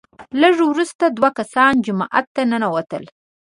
لږ وروسته دوه کسان جومات ته ننوتل،